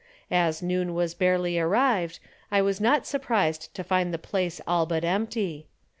As noon was barely arrived, I was not surprised to find the place all but empty.